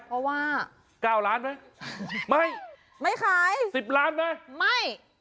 เพราะว่า๙ล้านไหมไม่ไม่ขายสิบล้านไหมไม่